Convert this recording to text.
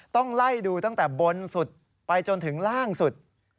ต้องไล่ดูตั้งแต่บนสุดไปจนถึงล่างสุด